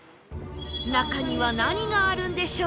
中には何があるんでしょう？